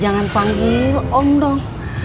jangan panggil om dong